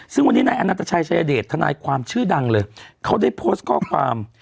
ซึ่งวันนี้นายอนัตชัยชายเดชทนายความชื่อดังเลยเขาได้โพสต์ข้อความ